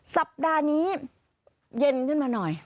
สัปดาห์นี้เย็นขึ้นมาหน่อย